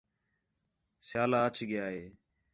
سیالا اَچ ڳِیا ہے